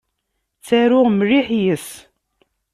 Ttaruɣ mliḥ yes-s.